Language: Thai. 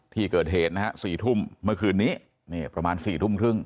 ที่เกิดเหตุนะฮะ๔ทุ่มเมื่อคืนนี้นี่ประมาณ๔ทุ่มครึ่ง